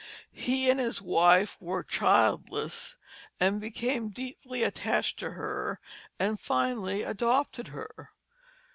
He and his wife were childless and became deeply attached to her and finally adopted her.